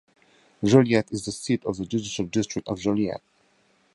Joliette is the seat of the judicial district of Joliette.